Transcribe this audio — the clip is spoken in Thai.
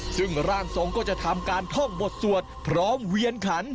ซึ่งร่างทรงก็จะทำการท่องบทสวดพร้อมเวียนขัน